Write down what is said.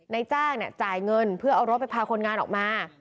ในจ้างจ่ายเงินเพื่อเอารถไปพาคนงานออกมา